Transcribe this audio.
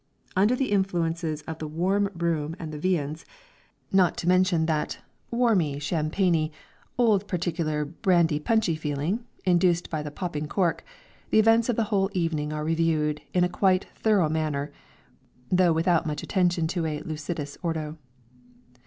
Under the influences of the warm room and the viands, not to mention that "warm champagny, old particular brandy punchy feeling" induced by the popping cork, the events of the whole evening are reviewed in a quite thorough manner, though without much attention to a "lucidus ordo."